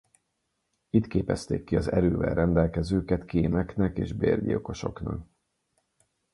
Itt képezték ki az Erővel rendelkezőket kémeknek és bérgyilkosoknak.